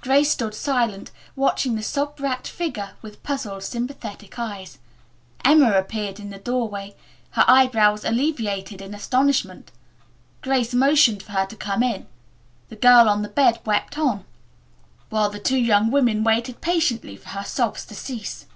Grace stood silent, watching the sob wracked figure with puzzled, sympathetic eyes. Emma appeared in the doorway, her eyebrows elevated in astonishment. Grace motioned for her to come in. The girl on the bed wept on, while the two young women waited patiently for her sobs to cease.